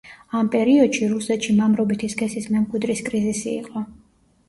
ამ პერიოდში რუსეთში მამრობითი სქესის მემკვიდრის კრიზისი იყო.